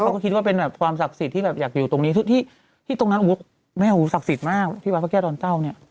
เขาก็คิดว่าเป็นแบบความศักดิ์สิทธิ์ที่แบบอยากอยู่ตรงนี้ทุกที่ที่ตรงนั้นแม่หูศักดิ์สิทธิ์มากที่วัดพระแก้วดอนเจ้าเนี่ย